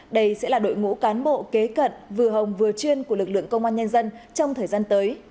đây sẽ là đội ngũ cán bộ kế cận vừa hồng vừa chuyên của lực lượng công an nhân dân trong thời gian tới